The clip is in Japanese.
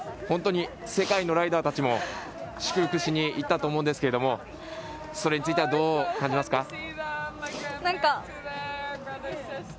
本当に世界のライダーたちも祝福しに行ったと思うんですけどそれについてはどう感じますか。